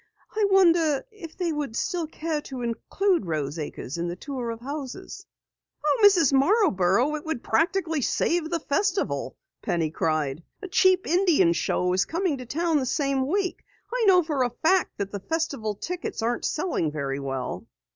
I wonder if they would still care to include Rose Acres in the tour of houses?" "Oh, Mrs. Marborough, it would practically save the Festival!" Penny cried. "A cheap Indian show is coming to town the same week. I know for a fact that the Festival tickets aren't selling very well."